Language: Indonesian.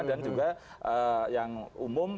dan juga yang umum